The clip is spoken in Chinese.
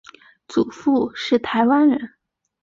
祖父是台湾人。